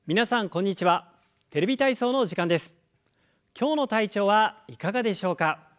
今日の体調はいかがでしょうか？